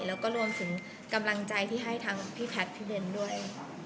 แล้วก็รวมถึงกำลังใจที่ให้ทางพี่แพทย์พี่เบนด้วย